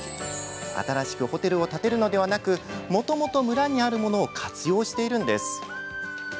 新しくホテルを建てるのではなくもともと村にあるものを活用しているんです。